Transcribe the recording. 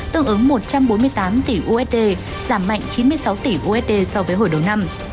tương ứng một trăm bốn mươi tám tỷ usd giảm mạnh chín mươi sáu tỷ usd so với hồi đầu năm